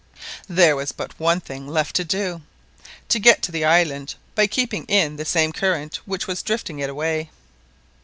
There was but one thing left to do. To get to the island by keeping in the same current which was drifting it away.